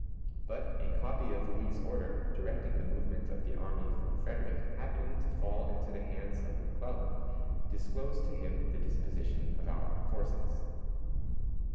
But a copy of Lee's order, directing the movement of the army from Frederick, happening to fall into the hands of McClellan, disclosed to him the disposition of our forces.